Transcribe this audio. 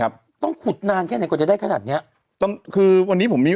ค่ะต้องขุดนานแค่ไหนกว่าจะได้ขนาดนี้